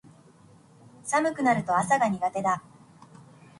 寒くなると朝が苦手だ